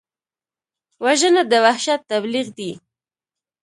وژنه د وحشت تبلیغ دی